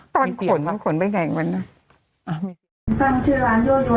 ตอนขนว่าขนเป็นไงมันน่ะ